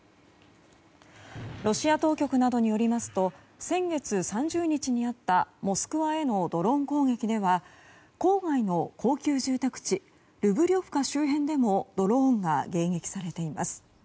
ロシア当局などによりますと先月３０日にあったモスクワへのドローン攻撃では郊外の高級住宅地ルブリョフカ周辺でもドローンが迎撃されています。